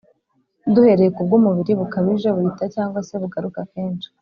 duhereye ku bw’umubiri, bukabije, buhita cyangwa se bugaruka kenshi